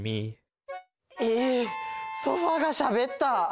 ええっソファーがしゃべった！？